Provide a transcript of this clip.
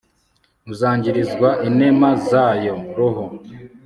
uzagwirizwa inema za yo: roho